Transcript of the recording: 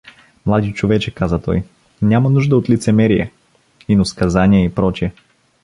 — Млади човече — каза той, — няма нужда от лицемерие, иносказания и пр.